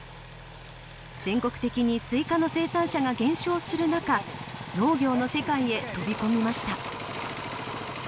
全国的にスイカの生産者が減少するなか農業の世界へ飛び込みました。